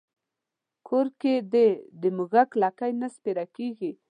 کور کې دې د موږک لکۍ نه سپېره کېږي.